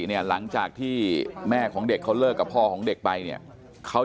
เนี่ยหลังจากที่แม่ของเด็กเขาเลิกกับพ่อของเด็กไปเนี่ยเขา